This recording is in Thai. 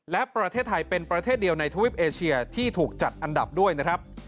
และประเทศไทยเป็นประเทศเดียวในทวิปเอเชียที่ถูกจัดอันดับด้วยนะครับ